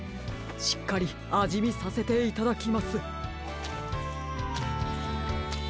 しっかりあじみさせていただきます。